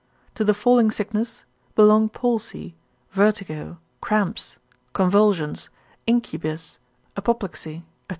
To the falling sickness, belong palsy, vertigo, cramps, convulsions, incubus, apoplexy, &c.